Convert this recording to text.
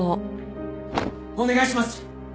お願いします！